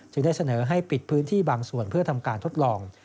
ได้เสนอให้ปิดพื้นที่บางส่วนเพื่อทำการทดลอง